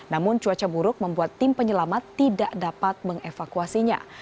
namun cuaca buruk membuat tim penyelamat tidak dapat mengevakuasinya